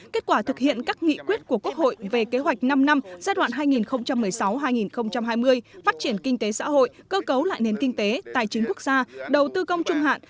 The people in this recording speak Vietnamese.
kết quả thực hiện các nghị quyết của quốc hội về kế hoạch năm năm giai đoạn hai nghìn một mươi sáu hai nghìn hai mươi phát triển kinh tế xã hội cơ cấu lại nền kinh tế tài chính quốc gia đầu tư công trung hạn